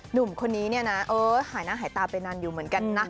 หนุ่มคนนี้เนี่ยนะหายหน้าหายตาไปนานอยู่เหมือนกันนะ